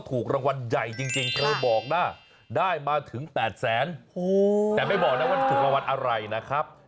แต่ไม่บอกนะว่าถุงรางวัลอะไรนะครับ